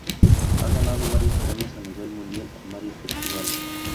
Ha ganado varios premios a nivel mundial en varios festivales.